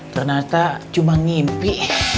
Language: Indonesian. ternyata cuma ngimpi